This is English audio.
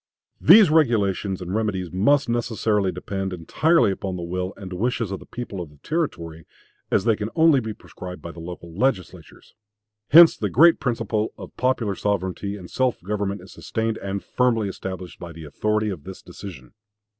These regulations and remedies must necessarily depend entirely upon the will and wishes of the people of the Territory, as they can only be prescribed by the local legislatures. Hence the great principle of popular sovereignty and self government is sustained and firmly established by the authority of this decision."